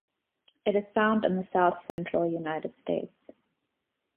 It is found in the south central United States.